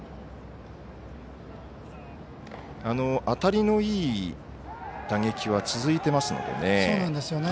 当たりのいい打撃は続いていますのでね。